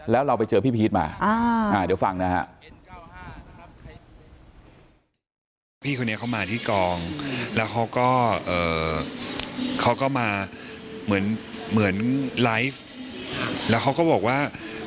แล้วเราไปเจอพี่พีชมาเดี๋ยวฟังนะฮะ